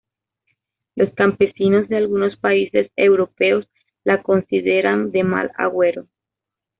Los campesinos de algunos países europeos la consideran de mal agüero.